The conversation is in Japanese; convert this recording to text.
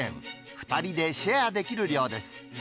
２人でシェアできる量です。